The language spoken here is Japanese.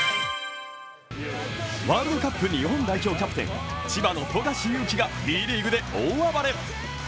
ワールドカップ日本代表キャプテン、千葉の富樫勇樹がＢリーグで大暴れ。